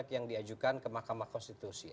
yang diajukan ke mahkamah konstitusi